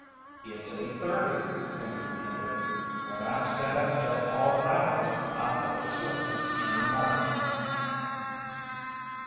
"It's eight thirty," Pinkey hinted. "When I set up till all hours I over sleep in the morning."